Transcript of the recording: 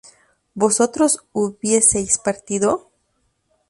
¿vosotros hubieseis partido?